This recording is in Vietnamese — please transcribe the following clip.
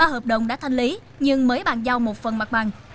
ba hợp đồng đã thanh lý nhưng mới bàn giao một phần mặt bằng